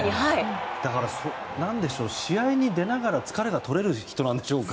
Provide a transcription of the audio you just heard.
だから、試合に出ながら疲れが取れる人なんでしょうか。